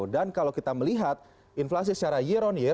dan kalau kita melihat inflasi secara year on year